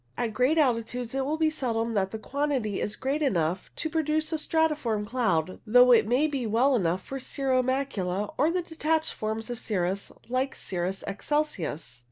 At great altitudes it will be seldom that the quantity is great enough to produce a stratiform cloud, though it may well be enough for cirro macula, or the detached forms of cirrus, like cirrus excelsus.